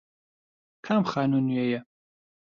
کام خانوو نوێیە؟